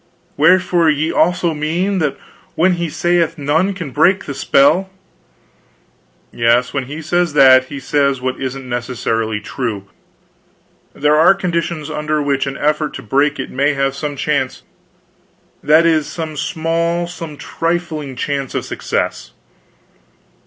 "Wherefore, ye also mean that when he saith none can break the spell " "Yes, when he says that, he says what isn't necessarily true. There are conditions under which an effort to break it may have some chance that is, some small, some trifling chance of success."